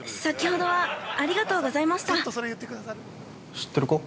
◆知ってる子？